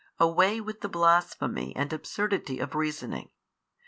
Away with the blasphemy and absurdity of reasoning.